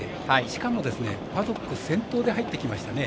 しかもパドック先頭で入ってきましたね。